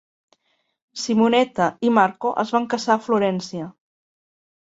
Simonetta i Marco es van casar a Florència.